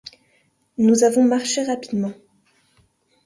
Nous avons marché rapidement.